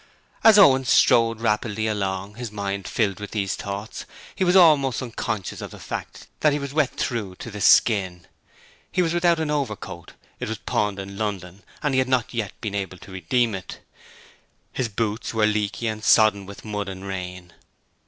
As Owen strode rapidly along, his mind filled with these thoughts, he was almost unconscious of the fact that he was wet through to the skin. He was without an overcoat, it was pawned in London, and he had not yet been able to redeem it. His boots were leaky and sodden with mud and rain.